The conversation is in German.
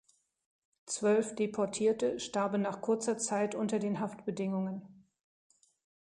Zwölf Deportierte starben nach kurzer Zeit unter den Haftbedingungen.